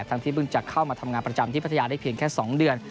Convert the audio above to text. ที่เพิ่งจะเข้ามาทำงานประจำที่พัทยาได้เพียงแค่๒เดือน